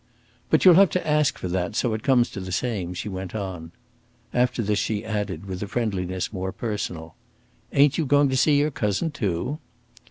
"But you'll have to ask for that, so it comes to the same," she went on. After this she added, with a friendliness more personal, "Ain't you going to see your cousin too?"